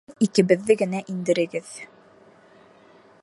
- Һеҙ икебеҙҙе генә индерегеҙ.